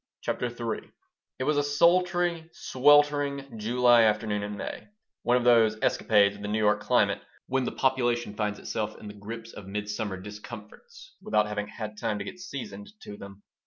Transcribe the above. CHAPTER III IT was a sultry, sweltering July afternoon in May, one of those escapades of the New York climate when the population finds itself in the grip of midsummer discomforts without having had time to get seasoned to them.